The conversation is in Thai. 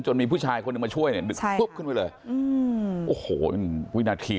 จนมีผู้ชายคนก็มาช่วยเลยดึกคึ้มกันเลยโอ้โหวินาที